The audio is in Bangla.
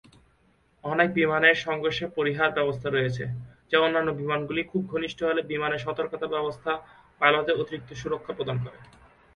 অনেক বিমানের সংঘর্ষের পরিহার ব্যবস্থা রয়েছে, যা অন্যান্য বিমানগুলি খুব ঘনিষ্ঠ হলে বিমানের সতর্কতা ব্যবস্থা পাইলটদের অতিরিক্ত সুরক্ষা প্রদান করে।